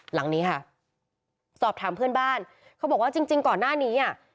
หลังนี้ค่ะสอบถามเพื่อนบ้านเขาบอกว่าจริงจริงก่อนหน้านี้อ่ะ